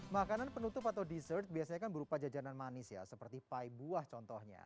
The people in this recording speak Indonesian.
makanan penutup atau dessert biasanya kan berupa jajanan manis ya seperti pie buah contohnya